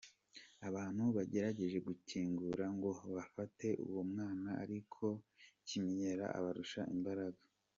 Abantu bagerageje gukingura ngo bafate uwo mwana ariko Kinyera abarusha imbaraga.